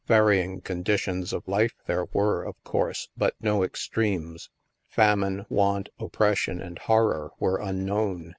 Varying conditions of life there were, of course, but no extremes. Famine, want, oppression, and horror were unknown.